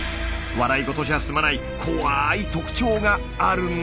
笑い事じゃ済まない怖い特徴があるんです。